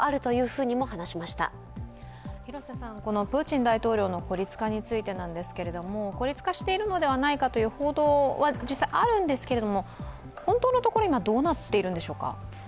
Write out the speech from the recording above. プーチン大統領の孤立化についてですけれども、孤立化しているのではないかという報道は実際あるんですけれども本当のところ、今どうなっているんでしょうか？